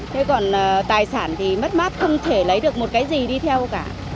thế còn tài sản thì mất mát không thể lấy được một cái gì đi theo cả